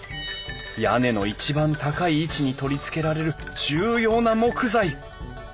屋根の一番高い位置に取り付けられる重要な木材。